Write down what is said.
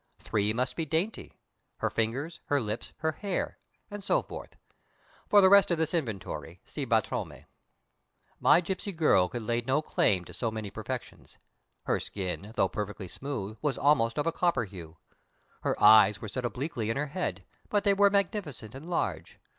Three must be dainty, her fingers, her lips, her hair, and so forth. For the rest of this inventory, see Brantome. My gipsy girl could lay no claim to so many perfections. Her skin, though perfectly smooth, was almost of a copper hue. Her eyes were set obliquely in her head, but they were magnificent and large.